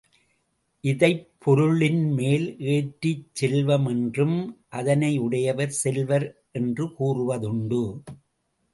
இதைப் பொருளின் மேல் ஏற்றிச் செல்வம் என்றும், அதனையுடையவர் செல்வர் என்று கூறுவதுண்டு.